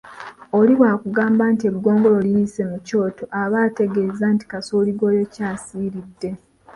Oli bwakugamba nti eggongolo liyise mu kyoto aba ategeeza nti kasooli gw’oyokya asiridde